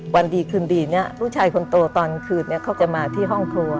วันดีคืนดีเนี่ยลูกชายคนโตตอนคืนเขาจะมาที่ห้องครัว